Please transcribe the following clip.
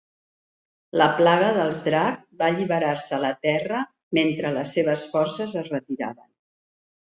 La plaga dels Drakh va alliberar-se a la Terra mentre les seves forces es retiraven.